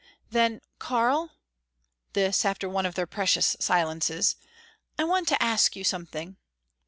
"Then, Karl," this after one of their precious silences "I want to ask you something.